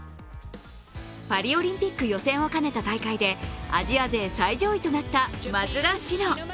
パリオリンピック予選を兼ねた大会でアジア勢最上位となった松田詩野。